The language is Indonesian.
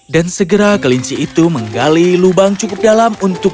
dan segera kelinci itu menggali lubang cukup dalam untukmu